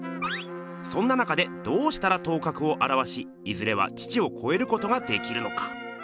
そんな中でどうしたら頭角をあらわしいずれは父をこえることができるのか。